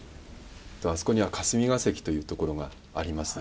では、あそこには霞が関というところがあります。